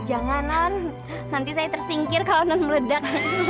jangan non nanti saya tersingkir kalau non meledak